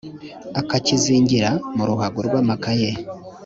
akakizingira mu ruhago rw’amakaye